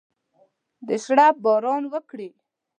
د شرپ باران وکړي